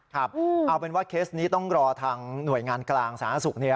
ครับเอาเป็นว่าเคสนี้ต้องรอทางหน่วยงานกลางสาธารณสุข